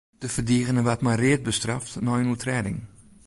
De ferdigener waard mei read bestraft nei in oertrêding.